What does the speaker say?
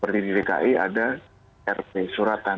seperti di dki ada rp suratan